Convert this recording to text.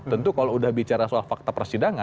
tentu kalau udah bicara soal fakta persidangan